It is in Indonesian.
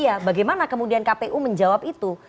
iya bagaimana kemudian kpu menjawab itu